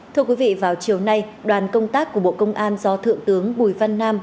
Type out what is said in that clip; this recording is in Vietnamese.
thưa quý vị vào chiều nay đoàn công tác của bộ công an do thượng tướng bùi văn nam